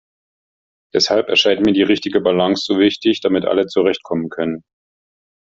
Deshalb erscheint mir die richtige Balance so wichtig, damit alle zurechtkommen können.